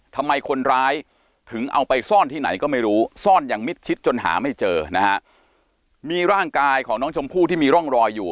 ทำไมคนร้ายถึงเอาไปซ่อนที่ไหนก็ไม่รู้ซ่อนอย่างมิดชิดจนหาไม่เจอนะฮะมีร่างกายของน้องชมพู่ที่มีร่องรอยอยู่